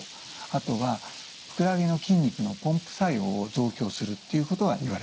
あとはふくらはぎの筋肉のポンプ作用を増強するっていうことがいわれています。